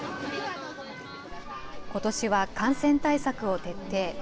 ことしは感染対策を徹底。